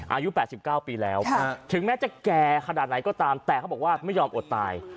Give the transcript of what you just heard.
อายุ๘๙ปีแล้วถึงแม้จะแก่ขนาดไหนก็ตามแต่เขาบอกว่าไม่ยอมอดตาย